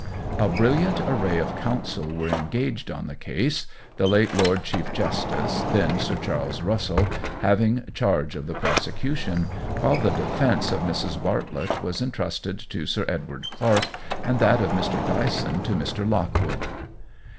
A brilliant array of counsel were engaged on the case, the late Lord Chief Justice, then Sir Charles Russell, having charge of the prosecution, while the defence of Mrs. Bartlett was entrusted to Sir Edward Clark, and that of Mr. Dyson to Mr. Lockwood.